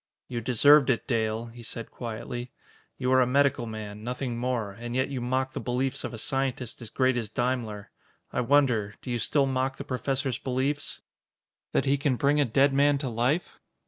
"You deserved it, Dale," he said quietly. "You are a medical man, nothing more, and yet you mock the beliefs of a scientist as great as Daimler. I wonder do you still mock the Professor's beliefs?" "That he can bring a dead man to life?"